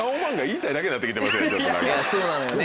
いやそうなのよね。